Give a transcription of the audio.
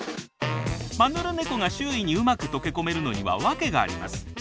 マヌルネコが周囲にうまく溶け込めるのには訳があります。